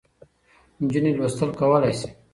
نجونې لوستل کولای سي.